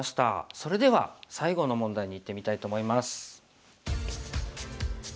それでは最後の問題にいってみたいと思います。